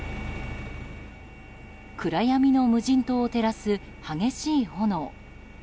暗闇の無人島を照らす激しい炎。